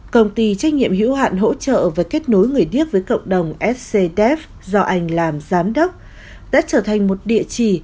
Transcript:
công ty trách nhiệm hữu hạn hỗ trợ và kết nối người điếc với cộng đồng scdef do anh làm giám đốc đã trở thành một địa chỉ